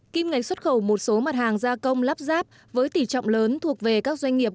kim ngạch xuất khẩu một số mặt hàng gia công lắp ráp với tỷ trọng lớn thuộc về các doanh nghiệp